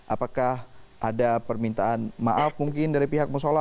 apakah ada permintaan maaf mungkin dari pihak musola